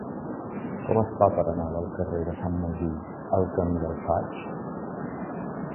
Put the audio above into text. Com es fa per anar del carrer de Sant Magí al camí del Faig?